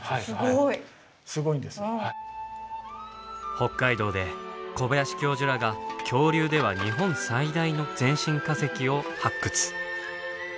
北海道で小林教授らが恐竜では日本最大の全身化石を発掘。